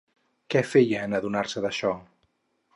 Què feia en adonar-se d'això?